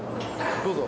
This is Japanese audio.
どうぞ。